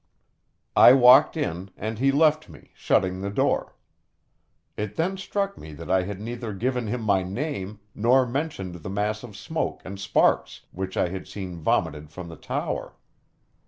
I walked in, and he left me, shutting the door. It then struck me that I had neither given him my name nor mentioned the mass of smoke and sparks which I had seen vomited from the tower.